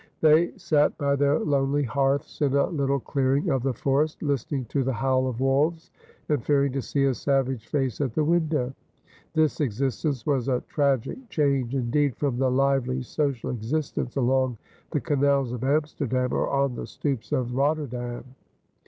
They sat by their lonely hearths in a little clearing of the forest, listening to the howl of wolves and fearing to see a savage face at the window. This existence was a tragic change indeed from the lively social existence along the canals of Amsterdam or on the stoops of Rotterdam.